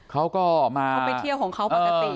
เขาก็มาค่ะ